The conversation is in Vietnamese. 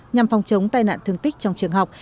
nhằm phòng chống tai nạn thương tích trong trường học